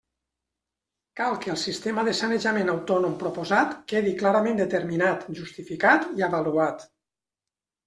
Cal que el sistema de sanejament autònom proposat quedi clarament determinat, justificat i avaluat.